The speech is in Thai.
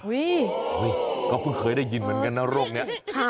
ก็เพิ่งเคยได้ยินเหมือนกันนะโรคนี้